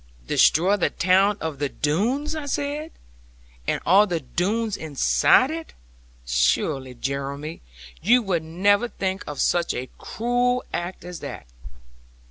'Destroy the town of the Doones,' I said, 'and all the Doones inside it! Surely, Jeremy, you would never think of such a cruel act as that!'